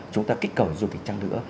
chúng ta kích cầu dùng thị trang nữa